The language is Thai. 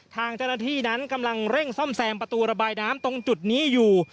ทางเจ้าหน้าที่นั้นกำลังเร่งซ่อมแซมประตูระบายน้ำตรงจุดนี้อยู่